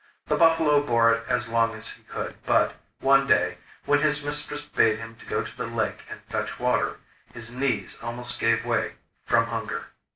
The buffalo bore it as long as he could; but, one day, when his mistress bade him go to the lake and fetch water, his knees almost gave way from hunger.